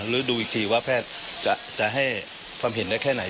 หรือดูอีกทีว่าแพทย์จะให้ความเห็นได้แค่ไหน